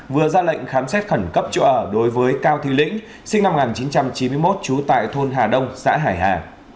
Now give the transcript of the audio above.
vừa ra lệnh khám xét khẩn cấp chỗ ở đối với cao thị lĩnh sinh năm một nghìn chín trăm chín mươi một trú tại thôn hà đông xã hải hà